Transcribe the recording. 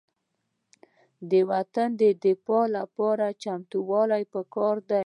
د وطن دفاع لپاره چمتووالی پکار دی.